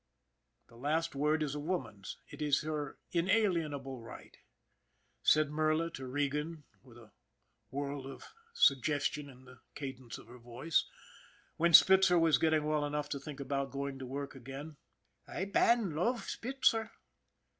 The last word is a woman's it is her inalienable right. Said Merla to Regan with a world of sugges tion in the cadence of her voice, when Spitzer was getting well enough to think about going to work again :" I ban love Spitzer."